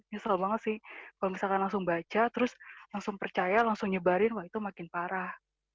ya seru banget sih kalau misalkan langsung baca terus langsung percaya langsung nyebarin wah itu makin parah